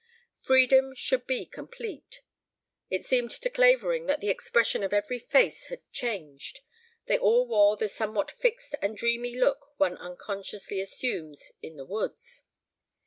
Freedom should be complete. It seemed to Clavering that the expression of every face had changed. They all wore the somewhat fixed and dreamy look one unconsciously assumes "in the woods."